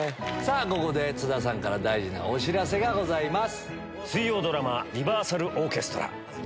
ここで津田さんから大事なお知らせがございます。